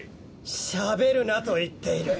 しゃべるなと言っている。